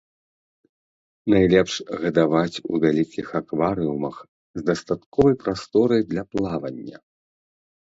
Найлепш гадаваць у вялікіх акварыумах з дастатковай прасторай для плавання.